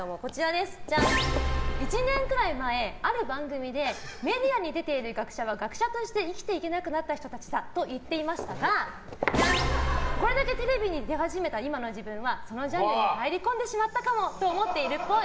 １年くらい前、ある番組でメディアに出ている学者は学者として生きていけなくなった人たちだと言っていましたがこれだけテレビに出始めた今の自分はそのジャンルに入り込んでしまったかもと思っているっぽい。